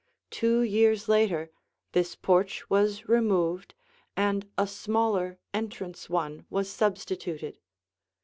Two years later this porch was removed, and a smaller entrance one was substituted.